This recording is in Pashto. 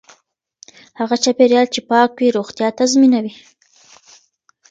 هغه چاپیریال چې پاک وي روغتیا تضمینوي.